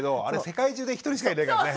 世界中で一人しかいないからね。